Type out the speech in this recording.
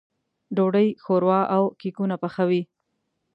ډوډۍ، ښوروا او کيکونه پخوي.